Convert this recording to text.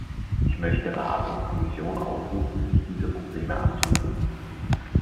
Ich möchte Rat und Kommission aufrufen, sich dieser Probleme anzunehmen.